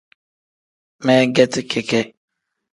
Meegeti keke.